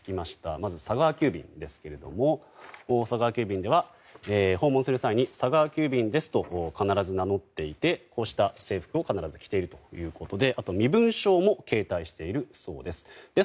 まず佐川急便ですけども佐川急便では訪問する際に佐川急便ですと必ず名乗っていて、制服を必ず着ているということであと身分証も携帯しているそうです。